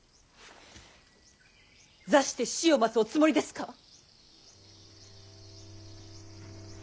座して死を待つおつもりですか！